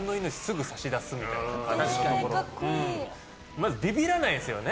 まずビビらないんすよね。